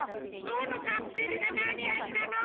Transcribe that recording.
どのカプセルがなにあじなの？